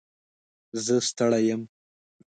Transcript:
زه ستړی یم.